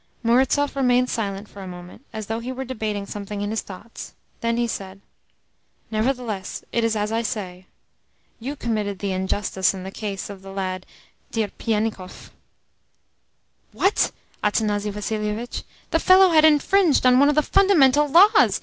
Murazov remained silent for a moment, as though he were debating something in his thoughts. Then he said: "Nevertheless it is as I say. You committed the injustice in the case of the lad Dierpiennikov." "What, Athanasi Vassilievitch? The fellow had infringed one of the Fundamental Laws!